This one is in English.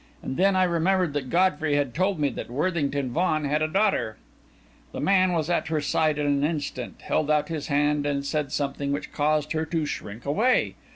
And then I remembered that Godfrey had told me that Worthington Vaughan had a daughter. The man was at her side in an instant, held out his hand, and said something, which caused her to shrink away.